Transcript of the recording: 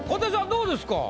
どうですか？